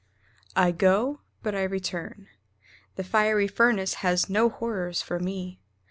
I go, but I return. The fiery furnace has no horrors for me.